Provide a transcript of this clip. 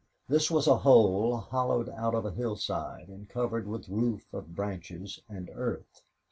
This was a hole hollowed out in a hillside and covered with a roof of branches and earth.